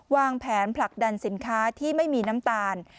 วางแผนผลักดันสินค้าที่ไม่มีน้ำตาล